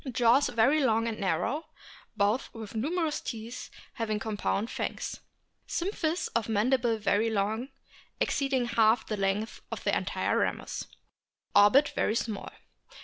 Jaws very long and narrow ; both with numerous teeth having compressed fangs. Symphysis of mandible very long, exceeding half the length of the entire ramus. Orbit very small.